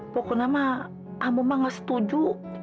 pokoknya ambu tidak setuju